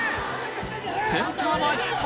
センター前ヒット！